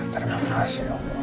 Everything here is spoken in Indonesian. terima kasih allah